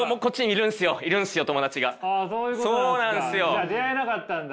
じゃあ出会えなかったんだ。